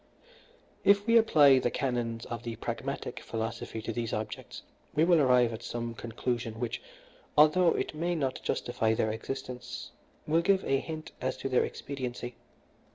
"If we apply the canons of the Pragmatic philosophy to these objects we will arrive at some conclusion which, although it may not justify their existence, will give a hint as to their expediency.